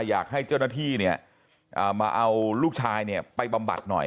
อยากให้เจ้าหน้าที่เนี่ยมาเอาลูกชายเนี่ยไปบำบัดหน่อย